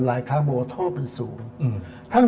หลายครั้งบอกว่าโทษมันสูง